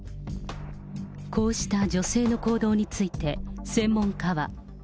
こうした女性の行動について、専門家は。